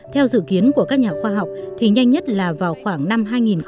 theo dự kiến của các nhà khoa học thì nhanh nhất là vào khoảng năm hai nghìn hai mươi